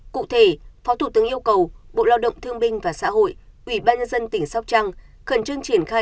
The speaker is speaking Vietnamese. cụ thể phó thủ tướng yêu cầu bộ lao động thương binh và xã hội ủy ban nhân dân tỉnh sóc trăng khẩn trương triển khai